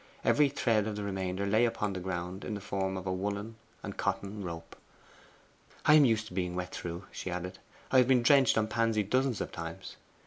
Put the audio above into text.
Every thread of the remainder lay upon the ground in the form of a woollen and cotton rope. 'I am used to being wet through,' she added. 'I have been drenched on Pansy dozens of times.